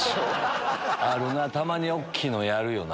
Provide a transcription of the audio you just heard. あるな、たまにおっきいのやるよな。